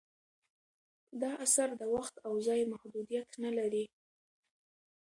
دا اثر د وخت او ځای محدودیت نه لري.